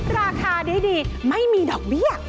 ราคาดีไม่มีดอกเบี้ย